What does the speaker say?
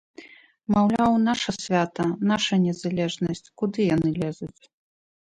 Маўляў, наша свята, наша незалежнасць, куды яны лезуць?